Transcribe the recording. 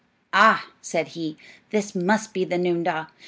"Ah," said he, "this must be the noondah.